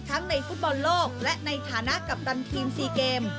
ในฟุตบอลโลกและในฐานะกัปตันทีม๔เกม